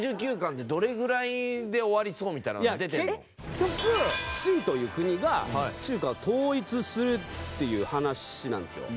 結局秦という国が中華統一するっていう話なんですよ。